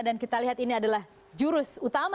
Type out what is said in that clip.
dan kita lihat ini adalah jurus utama